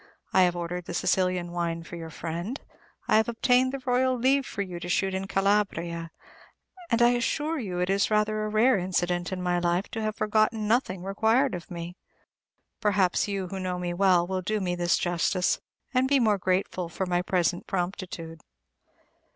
I have ordered the Sicilian wine for your friend; I have obtained the Royal leave for you to shoot in Calabria; and I assure you it is rather a rare incident in my life to have forgotten nothing required of me! Perhaps you, who know me well, will do me this justice, and be the more grateful for my present promptitude.